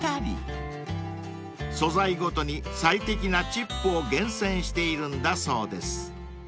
［素材ごとに最適なチップを厳選しているんだそうです］